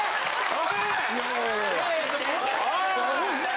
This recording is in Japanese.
おい！